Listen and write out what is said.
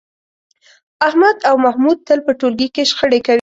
احمد او محمود تل په ټولګي کې شخړې کوي.